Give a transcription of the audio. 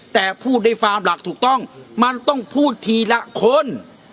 แต่พูดในฟาร์มหลักถูกต้องมันต้องพูดทีละคน